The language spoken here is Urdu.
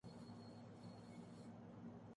کم عمر لڑکی کی بولڈ فلم پر نیٹ فلیکس کے خلاف لوگ برہم